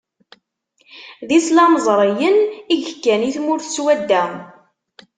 D islamẓriyen i yekkan i tmurt swadda.